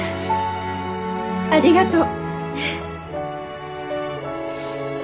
ありがとう。